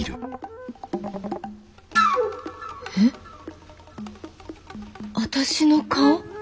えっ私の顔？